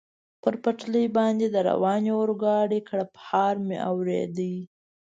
پر پټلۍ باندې د روانې اورګاډي کړپهار مې اورېده.